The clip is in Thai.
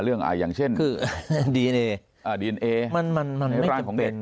เรื่องอ่าอย่างเช่นคืออ่าดีเอ็นเออ่าดีเอ็นเอมันมันมันไม่จำเป็น